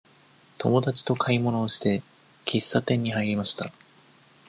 友達と買い物をして、喫茶店に入りました。